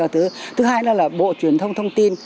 thứ hai là bộ truyền thông thông tin